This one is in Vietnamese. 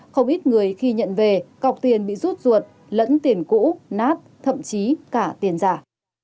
không ít người khi nhận về cọc tiền bị rút ruột lẫn tiền cũ nát thậm chí cả tiền giả